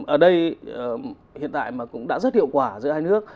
ở đây hiện tại mà cũng đã rất hiệu quả giữa hai nước